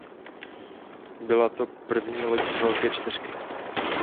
Byla to první loď z "Velké čtyřky".